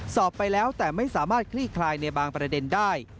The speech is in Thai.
สอบไปแล้วแต่ไม่สามารถคลี่คลายในบางประเด็นได้